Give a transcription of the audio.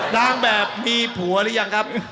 นางแบบมีผัวหรือยังครับ